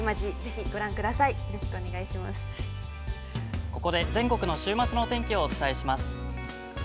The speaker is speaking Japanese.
◆ここで全国の週末のお天気をお伝えします。